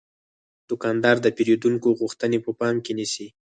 دوکاندار د پیرودونکو غوښتنې په پام کې نیسي.